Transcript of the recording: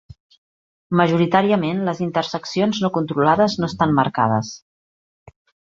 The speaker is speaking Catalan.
Majoritàriament, les interseccions no controlades no estan marcades.